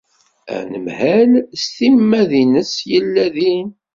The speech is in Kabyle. Anemhal s timmad-nnes yella din.